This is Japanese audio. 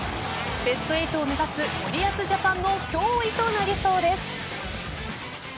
ベスト８を目指す森保ジャパンの脅威となりそうです。